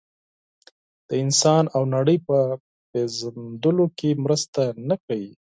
د انسان او نړۍ په پېژندلو کې مرسته نه کوي.